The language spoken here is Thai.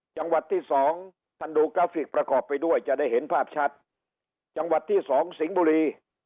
จังหวัดที่สองท่านดูกราฟิกประกอบไปด้วยจะได้เห็นภาพชัดจังหวัดที่สองสิงห์บุรี